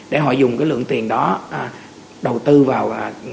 để họ dùng cái lượng tiền đó đầu tư vào